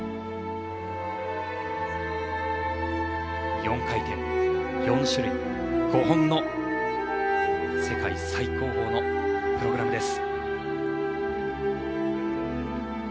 ４回転、４種類５本の世界最高峰のプログラムです。